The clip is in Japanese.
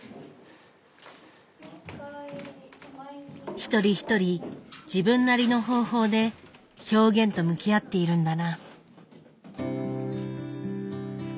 一人一人自分なりの方法で「表現」と向き合っているんだな。